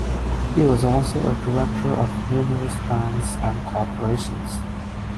He was also a director of numerous banks and corporations.